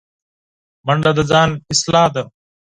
منډه د ځان اصلاح ده